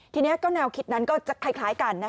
ทีนี้ก็แนวคิดนั้นก็จะคล้ายกัน